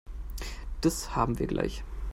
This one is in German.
Das haben wir gleich.